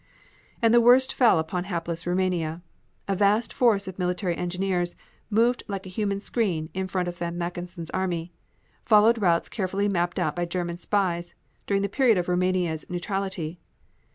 And the worst fell upon hapless Roumania. A vast force of military engineers moving like a human screen in front of von Mackensen's array, followed routes carefully mapped out by German spies during the period of Roumanians neutrality.